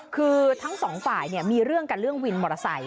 คือทั้งสองฝ่ายมีเรื่องกันเรื่องวินมอเตอร์ไซค